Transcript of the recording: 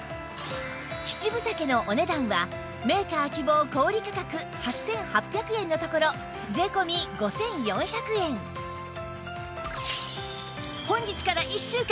７分丈のお値段はメーカー希望小売価格８８００円のところ税込５４００円の特別価格！